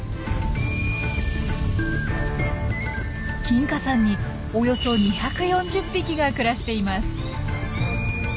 金華山におよそ２４０匹が暮らしています。